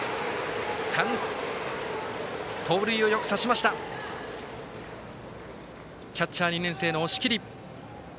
盗塁をよく刺しましたキャッチャー、２年生の押切。